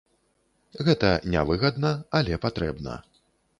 Гэта не выгадна, але патрэбна.